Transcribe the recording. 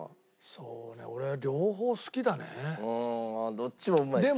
どっちもうまいですよね。